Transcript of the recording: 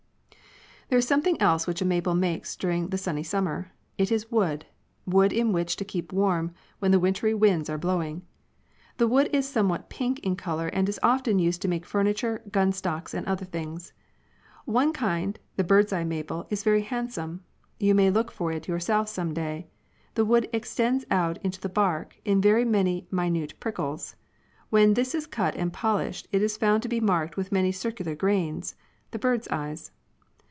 There is something else which a maple makes during the sunny summer. It is wood, wood in which to keep warm when the wintry winds are blowing. This wood is somewhat pink in color and is often used to make furniture, gunstocks and other things. One kind, the " bird's eye maple " is very handsome. You may look for it yourself some day. The wood ex tends out into the bark in very many minute prickles. When this is cut and polished, it is found to be marked with many circular grains, the "bird's eyes."